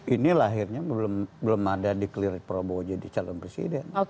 ini lahirnya belum ada declir prabowo jadi calon presiden